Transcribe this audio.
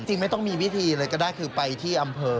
ไม่ต้องมีวิธีเลยก็ได้คือไปที่อำเภอ